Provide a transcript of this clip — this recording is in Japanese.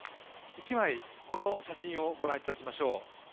１枚、この写真を御覧いただきましょう。